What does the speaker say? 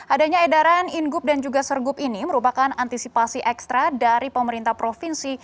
adanya edaran ingub dan juga sergup ini merupakan antisipasi ekstra dari pemerintah provinsi